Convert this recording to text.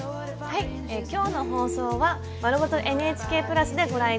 今日の放送は丸ごとＮＨＫ＋でご覧頂けます。